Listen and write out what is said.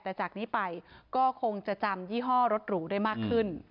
แต่จากนี้ไปก็คงจะจำยี่ห้อรถหรูได้มากขึ้น